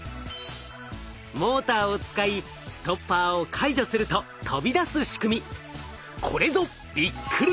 モーターを使いストッパーを解除すると飛び出す仕組み。